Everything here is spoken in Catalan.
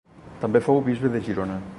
També fou bisbe de Girona.